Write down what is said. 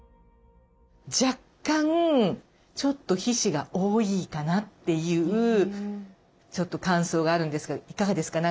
若干ちょっと皮脂が多いかなっていうちょっと感想があるんですがいかがですか？